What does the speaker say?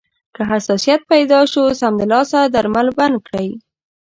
که حساسیت پیدا شو، سمدلاسه درمل بند کړئ.